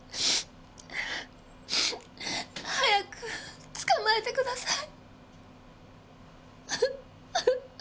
早く捕まえてください。